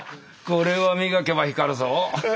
これは磨けば光るぞ。